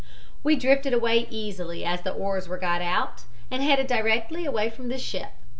"We drifted away easily, as the oars were got out, and headed directly away from the ship.